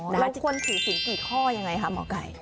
เราควรถือศีลกี่ข้อยังไงค่ะหมอไก่